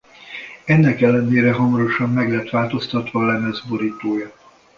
Ennek ellenére hamarosan meg lett változtatva a lemez borítója.